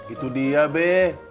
itu dia be